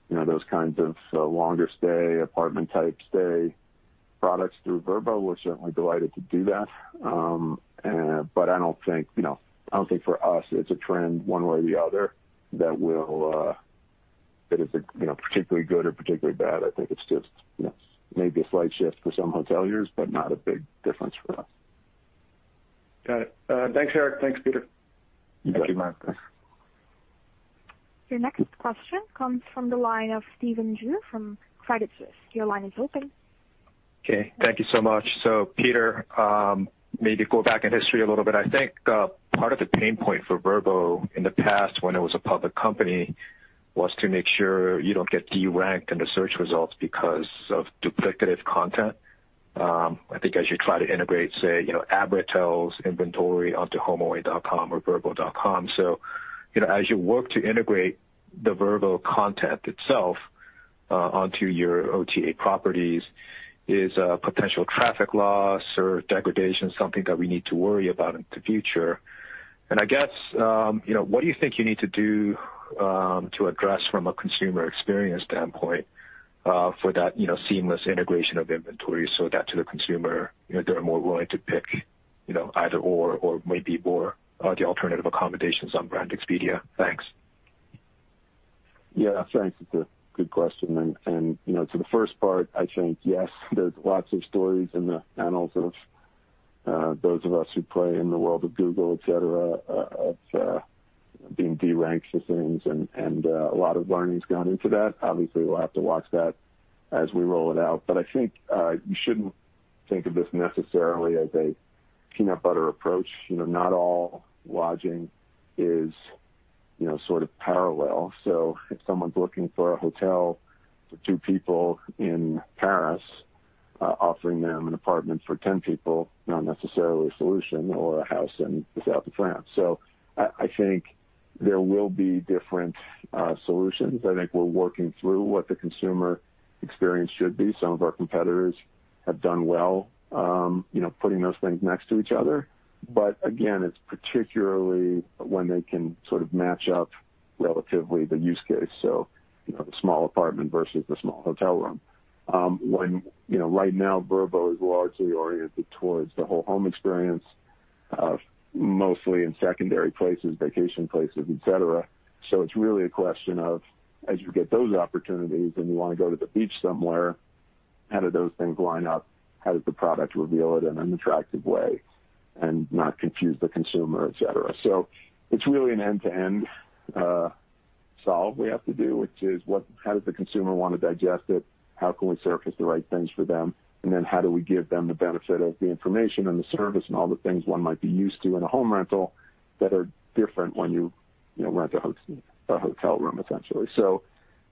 those kinds of longer stay, apartment type stay products through Vrbo, we're certainly delighted to do that. I don't think for us it's a trend one way or the other that is particularly good or particularly bad. I think it's just maybe a slight shift for some hoteliers, but not a big difference for us. Got it. Thanks, Eric. Thanks, Peter. Thank you. Your next question comes from the line of Stephen Ju from Credit Suisse. Your line is open. Okay. Thank you so much. Peter, maybe go back in history a little bit. Part of the pain point for Vrbo in the past when it was a public company was to make sure you don't get de-ranked in the search results because of duplicative content. As you try to integrate, say, Abra hotels inventory onto HomeAway.com or Vrbo. As you work to integrate the Vrbo content itself onto your OTA properties, is potential traffic loss or degradation something that we need to worry about in the future? I guess, what do you think you need to do, to address from a consumer experience standpoint, for that seamless integration of inventory so that to the consumer, they're more willing to pick either or maybe more the alternative accommodations on Brand Expedia. Thanks. Yeah. Thanks. It's a good question. To the first part, I think, yes, there's lots of stories in the annals of those of us who play in the world of Google, et cetera, of being de-ranked for things and a lot of learnings gone into that. Obviously, we'll have to watch that as we roll it out. I think, you shouldn't think of this necessarily as a peanut butter approach. Not all lodging is sort of parallel. If someone's looking for a hotel for two people in Paris, offering them an apartment for 10 people, not necessarily a solution or a house in the South of France. I think there will be different solutions. I think we're working through what the consumer experience should be. Some of our competitors have done well putting those things next to each other. Again, it's particularly when they can sort of match up relatively the use case, so the small apartment versus the small hotel room. Right now Vrbo is largely oriented towards the whole home experience, mostly in secondary places, vacation places, et cetera. It's really a question of as you get those opportunities and you want to go to the beach somewhere, how do those things line up? How does the product reveal it in an attractive way and not confuse the consumer, et cetera? It's really an end-to-end solve we have to do, which is how does the consumer want to digest it? How can we surface the right things for them? How do we give them the benefit of the information and the service and all the things one might be used to in a home rental that are different when you rent a hotel room, essentially.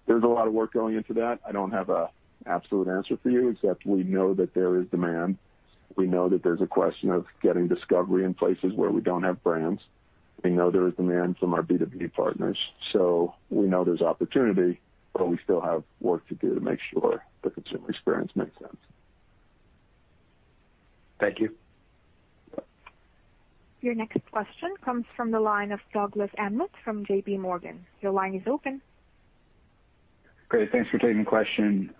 There's a lot of work going into that. I don't have an absolute answer for you, except we know that there is demand. We know that there's a question of getting discovery in places where we don't have brands. We know there is demand from our B2B partners, so we know there's opportunity, but we still have work to do to make sure the consumer experience makes sense. Thank you. Your next question comes from the line of Douglas Anmuth from JPMorgan. Your line is open. Great. Thanks for taking the question.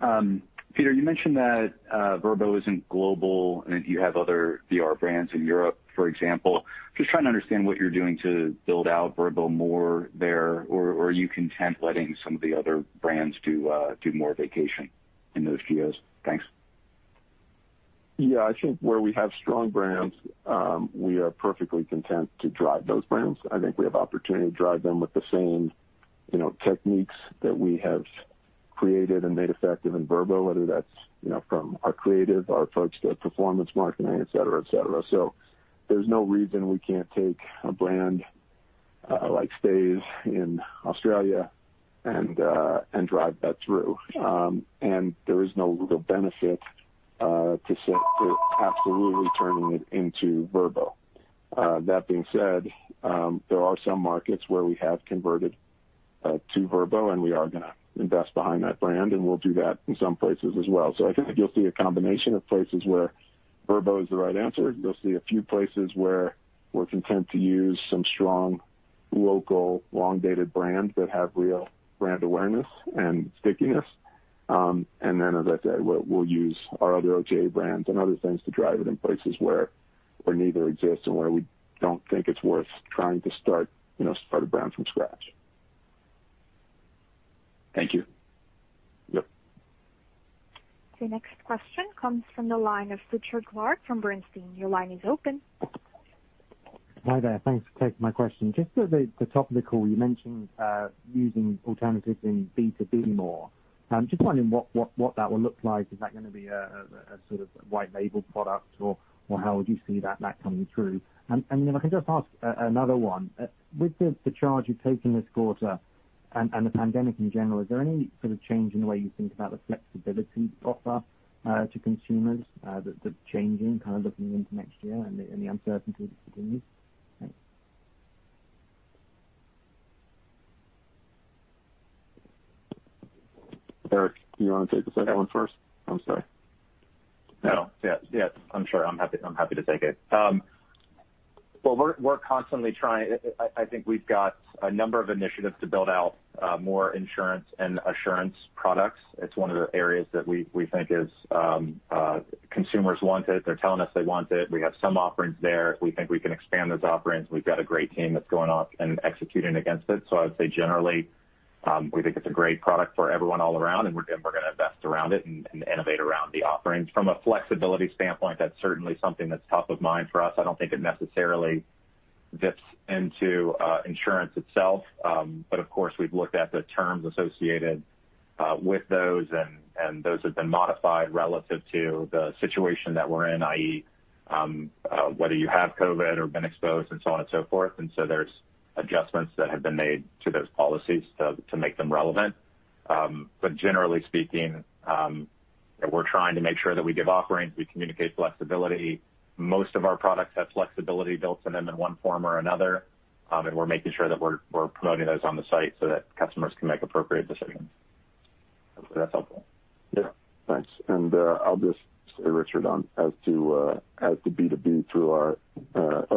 Peter, you mentioned that Vrbo isn't global, and you have other VR brands in Europe, for example. Just trying to understand what you're doing to build out Vrbo more there, or are you content letting some of the other brands do more vacation in those geos? Thanks. Yeah, I think where we have strong brands, we are perfectly content to drive those brands. I think we have opportunity to drive them with the same techniques that we have created and made effective in Vrbo, whether that's from our creative, our approach to performance marketing, et cetera. There's no reason we can't take a brand like Stayz in Australia and drive that through. There is no real benefit to absolutely turning it into Vrbo. That being said, there are some markets where we have converted to Vrbo, and we are going to invest behind that brand, and we'll do that in some places as well. I think you'll see a combination of places where Vrbo is the right answer. You'll see a few places where we're content to use some strong local long-dated brands that have real brand awareness and stickiness. On that day, we'll use our other OTA brands and other things to drive it in places where neither exists and where we don't think it's worth trying to start a brand from scratch. Thank you. Yep. The next question comes from the line of Richard Clarke from Bernstein. Your line is open. Hi there. Thanks for taking my question. Just at the top of the call, you mentioned using alternatives in B2B more. Just wondering what that will look like. Is that going to be a sort of white label product, or how would you see that coming through? If I can just ask another one. With the charge you've taken this quarter and the pandemic in general, is there any sort of change in the way you think about the flexibility offer to consumers that's changing kind of looking into next year and the uncertainty that continues? Thanks. Eric, do you want to take the second one first? I'm sorry. No. Yeah. I'm sure. I'm happy to take it. We're constantly trying-- I think we've got a number of initiatives to build out more insurance and assurance products. It's one of the areas that we think is, consumers want it. They're telling us they want it. We have some offerings there. We think we can expand those offerings. We've got a great team that's going off and executing against it. I would say generally, we think it's a great product for everyone all around, and we're going to invest around it and innovate around the offerings. From a flexibility standpoint, that's certainly something that's top of mind for us. I don't think it necessarily dips into insurance itself. Of course, we've looked at the terms associated with those, and those have been modified relative to the situation that we're in, i.e., whether you have COVID or been exposed and so on and so forth. There's adjustments that have been made to those policies to make them relevant. Generally speaking, we're trying to make sure that we give offerings, we communicate flexibility. Most of our products have flexibility built in them in one form or another. We're making sure that we're promoting those on the site so that customers can make appropriate decisions. Hope that's helpful. Yeah. Thanks. I'll just stay, Richard, on as to B2B through our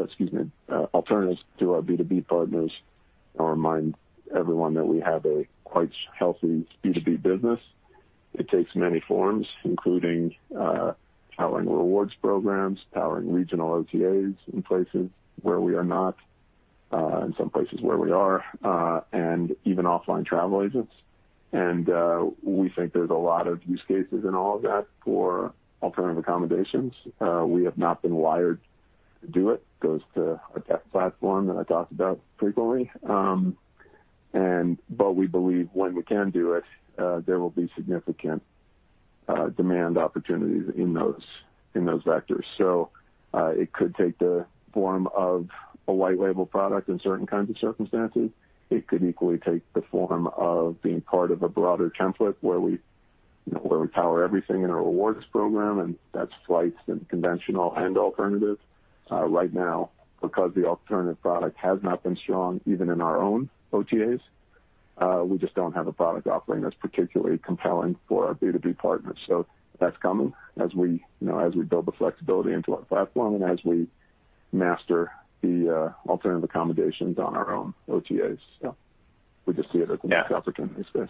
Excuse me, alternatives to our B2B partners. I'll remind everyone that we have a quite healthy B2B business. It takes many forms, including powering rewards programs, powering regional OTAs in places where we are not, in some places where we are, and even offline travel agents. We think there's a lot of use cases in all of that for alternative accommodations. We have not been wired to do it, goes to a tech platform that I talk about frequently. We believe when we can do it, there will be significant demand opportunities in those vectors. It could take the form of a white label product in certain kinds of circumstances. It could equally take the form of being part of a broader template where we power everything in our rewards program, and that's flights and conventional and alternative. Right now, because the alternative product has not been strong, even in our own OTAs, we just don't have a product offering that's particularly compelling for our B2B partners. That's coming as we build the flexibility into our platform and as we master the alternative accommodations on our own OTAs. Yeah. We just see it as a big opportunity space.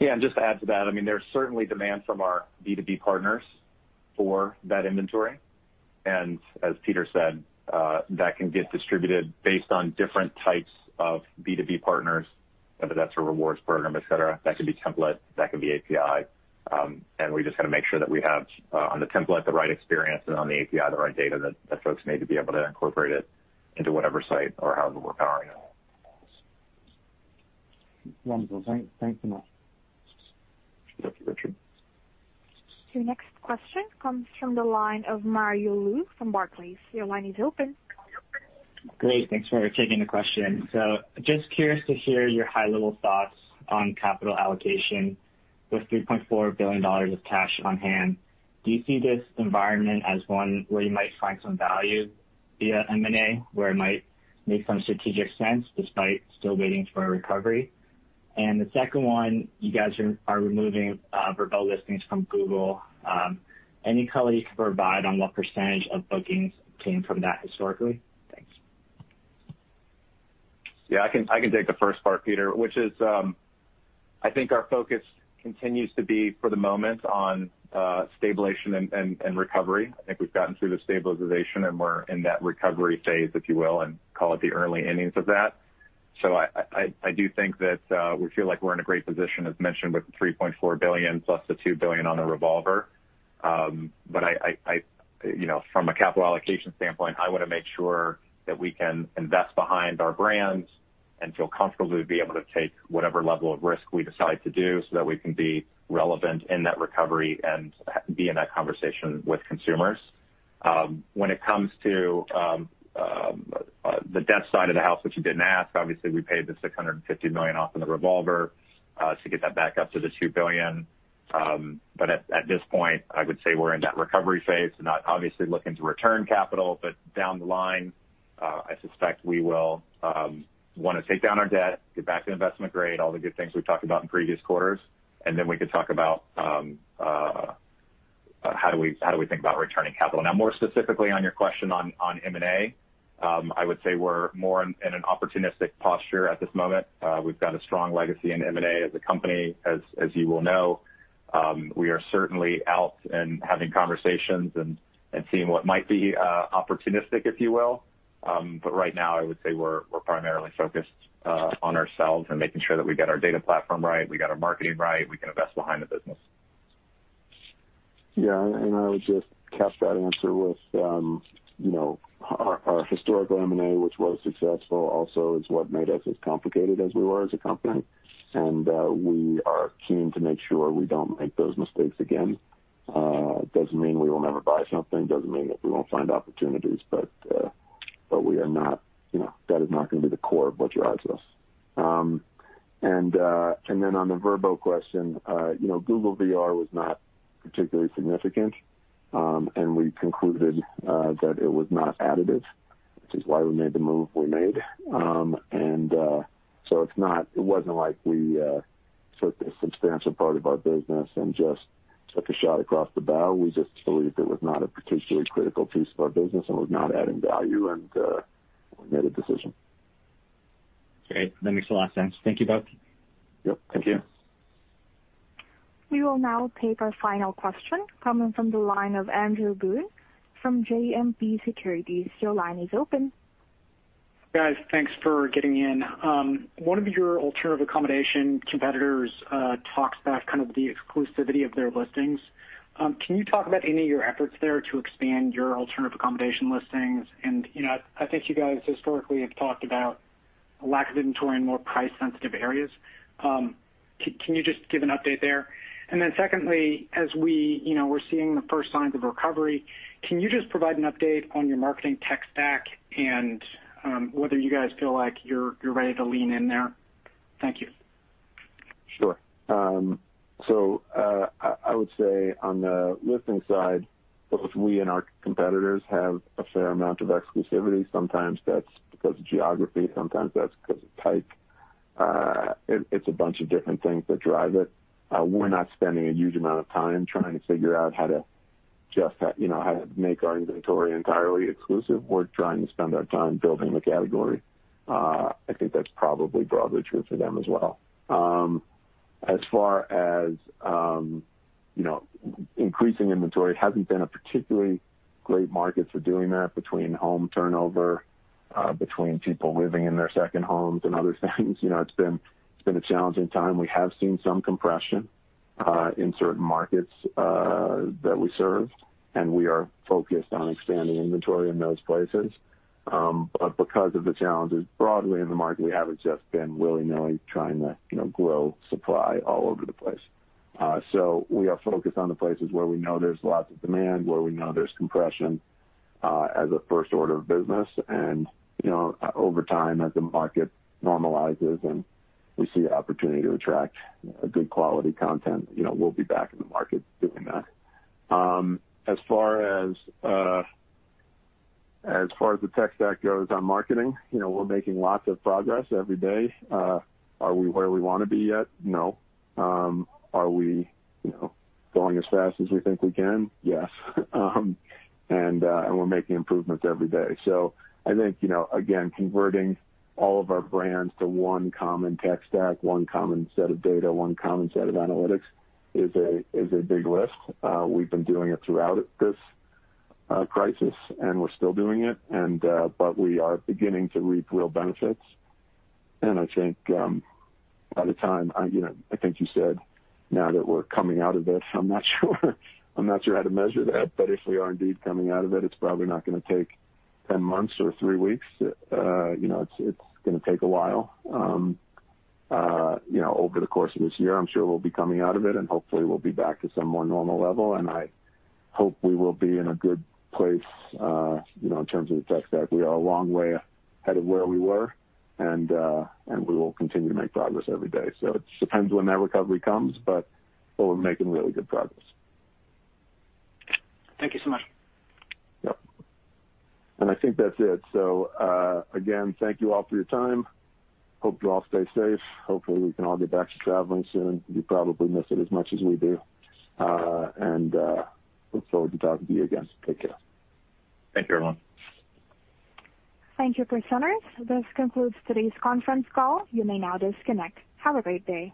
Just to add to that, there's certainly demand from our B2B partners for that inventory. As Peter said, that can get distributed based on different types of B2B partners, whether that's a rewards program, et cetera. That could be template, that could be API. We just got to make sure that we have, on the template, the right experience, and on the API, the right data that folks need to be able to incorporate it into whatever site or how they work on our end. Wonderful. Thanks a lot. Thank you, Richard. Your next question comes from the line of Mario Lu from Barclays. Your line is open. Great. Thanks for taking the question. Just curious to hear your high-level thoughts on capital allocation with $3.4 billion of cash on hand. Do you see this environment as one where you might find some value via M&A, where it might make some strategic sense despite still waiting for a recovery? The second one, you guys are removing Vrbo listings from Google. Any color you can provide on what percentage of bookings came from that historically? Thanks. Yeah, I can take the first part, Peter, which is, I think our focus continues to be, for the moment, on stabilization and recovery. I think we've gotten through the stabilization, and we're in that recovery phase, if you will, and call it the early innings of that. I do think that we feel like we're in a great position, as mentioned, with the $3.4 billion plus the $2 billion on the revolver. From a capital allocation standpoint, I want to make sure that we can invest behind our brands and feel comfortable to be able to take whatever level of risk we decide to do so that we can be relevant in that recovery and be in that conversation with consumers. When it comes to the debt side of the house, which you didn't ask, obviously, we paid the $650 million off in the revolver, to get that back up to the $2 billion. At this point, I would say we're in that recovery phase and not obviously looking to return capital, but down the line, I suspect we will want to take down our debt, get back to investment grade, all the good things we've talked about in previous quarters. Then we can talk about how do we think about returning capital. More specifically on your question on M&A, I would say we're more in an opportunistic posture at this moment. We've got a strong legacy in M&A as a company, as you will know. We are certainly out and having conversations and seeing what might be opportunistic, if you will. Right now, I would say we're primarily focused on ourselves and making sure that we get our data platform right, we got our marketing right, we can invest behind the business. Yeah. I would just cap that answer with our historical M&A, which was successful, also is what made us as complicated as we were as a company. We are keen to make sure we don't make those mistakes again. Doesn't mean we will never buy something, doesn't mean that we won't find opportunities, but that is not going to be the core of what drives us. Then on the Vrbo question, Google VR was not particularly significant, and we concluded that it was not additive, which is why we made the move we made. So it wasn't like we took a substantial part of our business and just took a shot across the bow. We just believed it was not a particularly critical piece of our business and was not adding value, and we made a decision. Great. That makes a lot of sense. Thank you both. Yep. Thank you. We will now take our final question coming from the line of Andrew Boone from JMP Securities. Your line is open. Guys, thanks for getting in. One of your alternative accommodation competitors talks about the exclusivity of their listings. Can you talk about any of your efforts there to expand your alternative accommodation listings? I think you guys historically have talked about a lack of inventory in more price-sensitive areas. Can you just give an update there? Secondly, as we're seeing the first signs of recovery, can you just provide an update on your marketing tech stack and whether you guys feel like you're ready to lean in there? Thank you. Sure. I would say on the listing side, both we and our competitors have a fair amount of exclusivity. Sometimes that's because of geography, sometimes that's because of type. It's a bunch of different things that drive it. We're not spending a huge amount of time trying to figure out how to make our inventory entirely exclusive. We're trying to spend our time building the category. I think that's probably broadly true for them as well. As far as increasing inventory, it hasn't been a particularly great market for doing that between home turnover, between people living in their second homes and other things. It's been a challenging time. We have seen some compression in certain markets that we serve, and we are focused on expanding inventory in those places. Because of the challenges broadly in the market, we haven't just been willy-nilly trying to grow supply all over the place. We are focused on the places where we know there's lots of demand, where we know there's compression as a first order of business. Over time, as the market normalizes and we see opportunity to attract a good quality content, we'll be back in the market doing that. As far as the tech stack goes on marketing, we're making lots of progress every day. Are we where we want to be yet? No. Are we going as fast as we think we can? Yes. We're making improvements every day. I think, again, converting all of our brands to one common tech stack, one common set of data, one common set of analytics is a big lift. We've been doing it throughout this crisis, and we're still doing it. We are beginning to reap real benefits. I think you said now that we're coming out of it, I'm not sure how to measure that, but if we are indeed coming out of it's probably not going to take 10 months or three weeks. It's going to take a while. Over the course of this year, I'm sure we'll be coming out of it, and hopefully we'll be back to some more normal level, and I hope we will be in a good place in terms of the tech stack. We are a long way ahead of where we were, and we will continue to make progress every day. It depends when that recovery comes, but we're making really good progress. Thank you so much. Yep. I think that's it. Again, thank you all for your time. Hope you all stay safe. Hopefully we can all get back to traveling soon. You probably miss it as much as we do. Look forward to talking to you again. Take care. Thank you, everyone. Thank you, presenters. This concludes today's conference call. You may now disconnect. Have a great day.